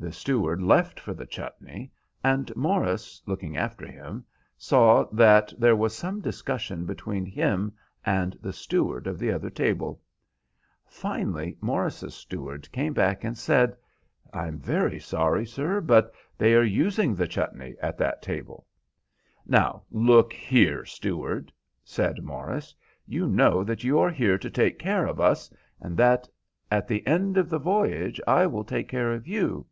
The steward left for the chutney, and Morris looking after him, saw that there was some discussion between him and the steward of the other table. Finally, Morris's steward came back and said, "I am very sorry, sir, but they are using the chutney at that table." "Now look here, steward," said Morris, "you know that you are here to take care of us, and that at the end of the voyage I will take care of you.